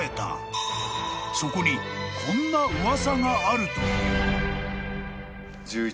［そこにこんな噂があるという］